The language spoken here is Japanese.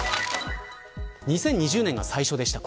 ２０２０年が最初でした。